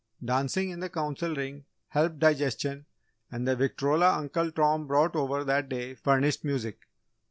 Dancing in the Council Ring helped digestion and the victrola Uncle Tom brought over that day furnished music.